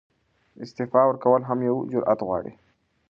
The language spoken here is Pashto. استعفاء ورکول هم یو جرئت غواړي.